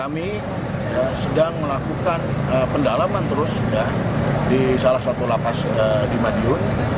melakukan pendalaman terus di salah satu la paz madiun